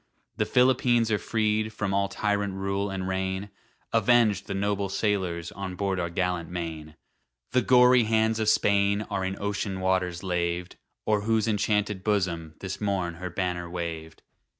The Philippines are freed from All tyrant rule and reign, Avenged the noble sailors On board our gallant Maine! The gory hands of Spain are In ocean waters laved, O'er whose enchanted bosom This morn her banner waved.